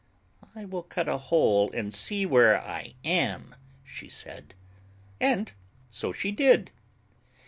"I will cut a hole and see where I am," She said. And so she did.